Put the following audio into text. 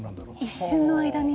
一瞬の間に。